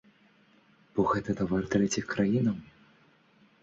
Бо гэта тавар трэціх краінаў.